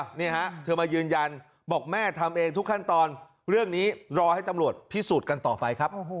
นี่ฮะเธอมายืนยันบอกแม่ทำเองทุกขั้นตอนเรื่องนี้รอให้ตำรวจพิสูจน์กันต่อไปครับ